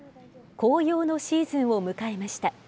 紅葉のシーズンを迎えました。